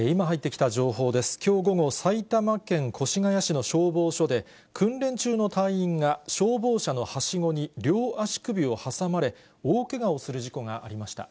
きょう午後、埼玉県越谷市の消防署で、訓練中の隊員が、消防車のはしごに両足首を挟まれ、大けがをする事故がありました。